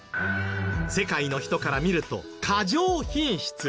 世界の人から見ると「過剰品質！！」